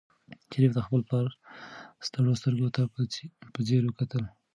شریف د خپل پلار ستړو سترګو ته په ځیر وکتل.